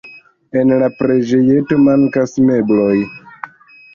En la preĝejeto mankas mebloj.